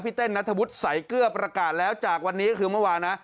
เต้นนัทวุฒิสายเกลือประกาศแล้วจากวันนี้ก็คือเมื่อวานนะ